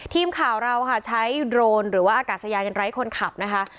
ทีมข่าวเราค่ะใช้โดรนหรือว่าอากาศยานไร้คนขับนะคะ